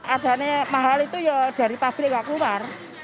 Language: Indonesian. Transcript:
adanya mahal itu dari pabrik gak keluar